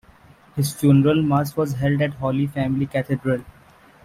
His funeral mass was held at Holy Family Cathedral.